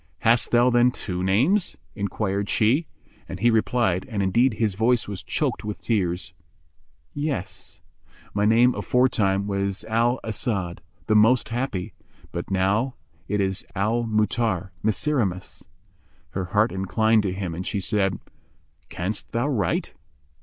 "Hast thou then two names?" enquired she, and he replied (and indeed his voice was choked with tears), "Yes; my name aforetime was Al As'ad, the most happy, but now it is Al Mu'tarr—Miserrimus." Her heart inclined to him and she said, "Canst thou write?"